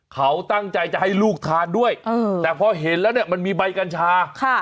เขาตั้งใจจะให้ลูกทานด้วยแต่พอเห็นแล้วเนี่ยมันมีใบกัญชา